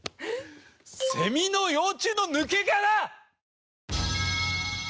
セミの幼虫の抜け殻！